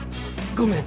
ごめん。